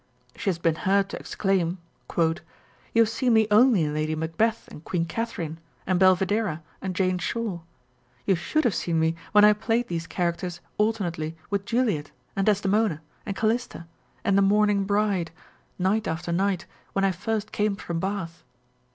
She has been heard to ex claim, " You have seen me only in Lady Macbeth and Queen Katherine, and Belvidera and Jane Shore â€" you should have seen me when I played these characters alternately with Juliet, and Desdemona, and Calista, and the Mourning Bride, night after night, when I first came from Bath